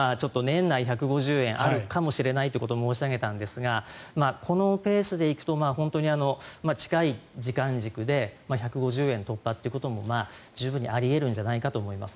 この前、年内１５０円あるかもしれないってことを申し上げたんですがこのペースで行くと近い時間軸で１５０円突破ということも十分にあり得るんじゃないかと思います。